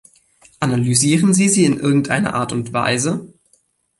Analysieren Sie sie in irgendeiner Art und Weise?